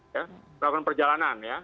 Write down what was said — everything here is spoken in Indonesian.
ya perjalanan ya